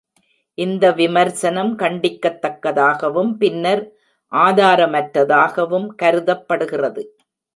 இந்த விமர்சனம் கண்டிக்கத்தக்கதாகவும் பின்னர் ஆதாரமற்றதாகவும் கருதப்படுகிறது.